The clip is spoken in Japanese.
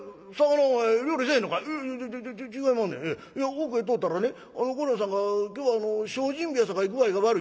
奥へ通ったらね御寮人さんが今日は精進日やさかい具合が悪いと。